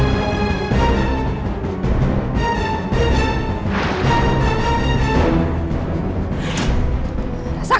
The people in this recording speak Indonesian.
kau akan mendapatkan pelajaran dariku